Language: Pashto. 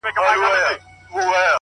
نه یې شرم وو له کلي نه له ښاره٫